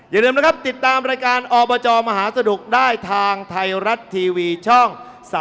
อย่าลืมนะครับติดตามรายการอบจมหาสนุกได้ทางไทยรัฐทีวีช่อง๓๒